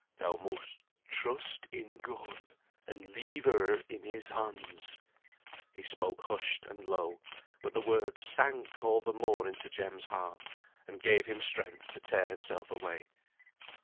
"Thou must trust in God, and leave her in His hands." He spoke hushed, and low; but the words sank all the more into Jem's heart, and gave him strength to tear himself away.